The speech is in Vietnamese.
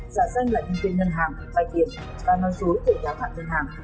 giả danh là nhân viên ngân hàng vay tiền và nói dối về giá khoản ngân hàng